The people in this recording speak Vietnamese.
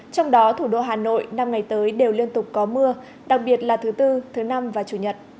trong đó thủ đô hà nội năm ngày tới đều liên tục có mưa đặc biệt là thứ bốn thứ năm và chủ nhật